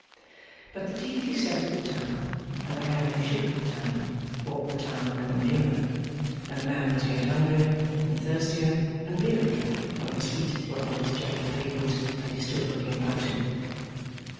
But the teeth he set at the town, and the hand he shook at the town, brought the town no nearer; and the man was yet hungrier, and thirstier, and wearier, when his feet were on its jagged pavement, and he stood looking about him.